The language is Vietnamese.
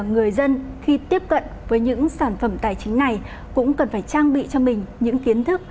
người dân khi tiếp cận với những sản phẩm tài chính này cũng cần phải trang bị cho mình những kiến thức